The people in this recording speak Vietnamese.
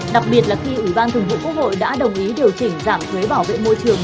đặc biệt là khi ủy ban thường vụ quốc hội đã đồng ý điều chỉnh giảm thuế bảo vệ môi trường